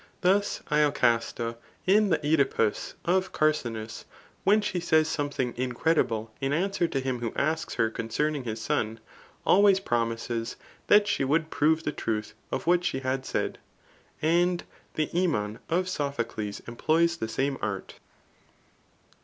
Thus locasta in the CEdipus, of Carci* hus, when she says something incredible in answer to him who asks her concerning his son, always promises £that she would prove the truth of what she had said.]] And the ffimon of Sophocles [employs the same art.